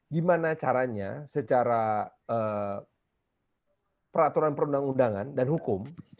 gimana caranya secara peraturan perundang undangan dan hukum